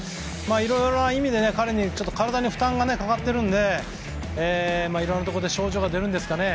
いろいろな意味で、彼には体に負担がかかっているのでいろいろなところで症状が出るんですかね。